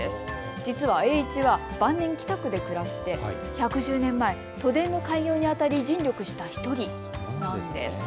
実は栄一は晩年、北区で暮らして１１０年前、都電の開業にあたり尽力した１人なんです。